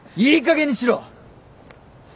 いい加減にしろ！